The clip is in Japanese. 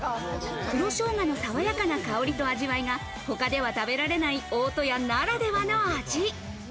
黒ショウガのさわやかな香りと味わいが他では食べられない大戸屋ならではの味。